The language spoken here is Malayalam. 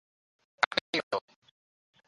കക്കയുണ്ടോ?